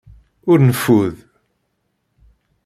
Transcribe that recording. Ur neffud.